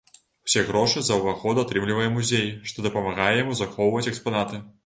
Усе грошы за ўваход атрымлівае музей, што дапамагае яму захоўваць экспанаты.